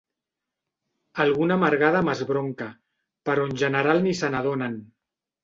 Alguna amargada m'esbronca, però en general ni se n'adonen.